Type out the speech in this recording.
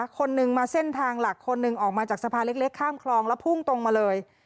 คนนึงมาเส้นทางหลักคนหนึ่งออกมาจากสะพานเล็กข้ามคลองแล้วพุ่งตรงมาเลย